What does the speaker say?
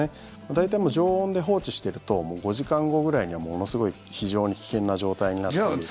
大体、常温で放置していると５時間後ぐらいにはものすごい非常に危険な状態になっているので。